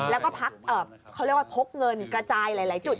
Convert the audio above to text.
แล้วก็พักเขาเรียกว่าพกเงินกระจายหลายจุด